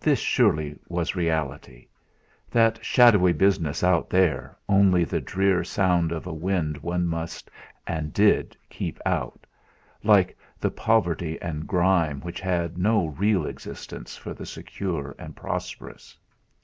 This surely was reality; that shadowy business out there only the drear sound of a wind one must and did keep out like the poverty and grime which had no real existence for the secure and prosperous.